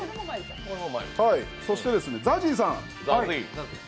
そして、ＺＡＺＹさん。